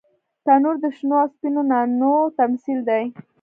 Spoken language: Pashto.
تنور د شنو او سپینو نانو تمثیل دی